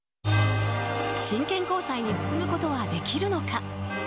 真剣交際に進むことはできるのか。